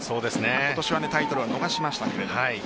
今年はタイトルは逃しました。